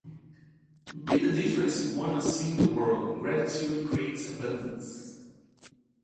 Be the difference you want to see in the world, gratitude creates abundance.